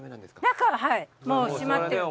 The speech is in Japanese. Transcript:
中はもう閉まってる。